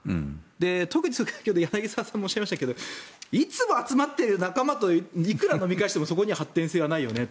特に、先ほど柳澤さんもおっしゃいましたけどいつも集まっている仲間といくら飲み会してもそこに発展性はないねと。